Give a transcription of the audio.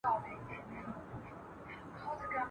هغه لاس دي مات سي چي لاسونه د منظور تړي ..